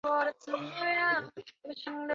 呈覆斗形。